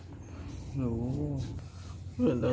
รู้